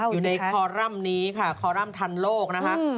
อยู่ในคอลัมน์นี้ค่ะคอลัมน์ทันโลก